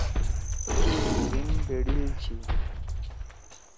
دھیریِن بیڑیِل چھی